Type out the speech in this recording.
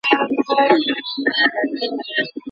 که په روغتونونو کي نوي وسایل وي، نو ناروغان بهر ته نه ځي.